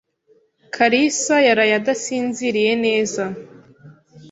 Karisa yaraye adasinziriye neza.